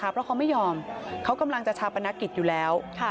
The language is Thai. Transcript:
เพราะเขาไม่ยอมเขากำลังจะชาปนกิจอยู่แล้ว